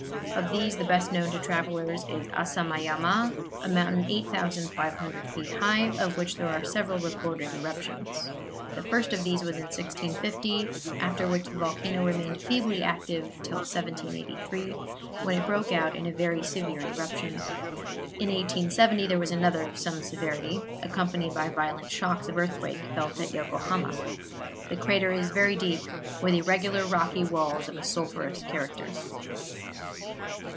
Of these the best known to travelers is Asamayama, a mountain 8,500 feet high, of which there are several recorded eruptions. The first of these was in 1650; after which the volcano remained feebly active till 1783, when it broke out in a very severe eruption. In 1870 there was another of some severity, accompanied by violent shocks of earthquake felt at Yokohama. The crater is very deep, with irregular rocky walls of a sulphurous character.